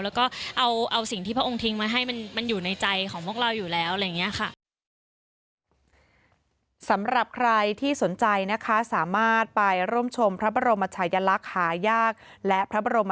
แล้วก็เอาสิ่งที่พระองค์ทิ้งมาให้มันอยู่ในใจของพวกเราอยู่แล้ว